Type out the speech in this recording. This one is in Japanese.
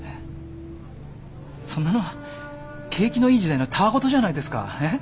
そんなのは景気のいい時代のたわ言じゃないですか。